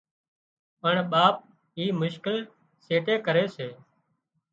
پڻ ٻاپ اي مشڪل سيٽي ڪري سي